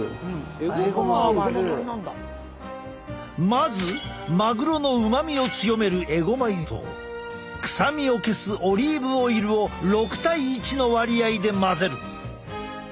まずマグロの旨味を強めるえごま油と臭みを消すオリーブオイルを６対１の割合で混ぜる。